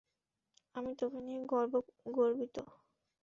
আমি তোকে নিয়ে গর্বিত।